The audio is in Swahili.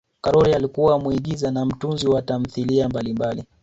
karol alikuwa muigiza na mtunzi wa tamthilia mbalimbali